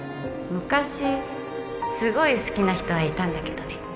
昔すごい好きな人はいたんだけどね